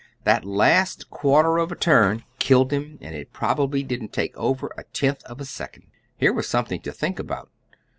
That last quarter of a turn killed him, and it probably didn't take over a tenth of a second." Here was something to think about.